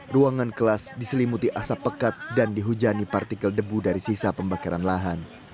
ruangan kelas diselimuti asap pekat dan dihujani partikel debu dari sisa pembakaran lahan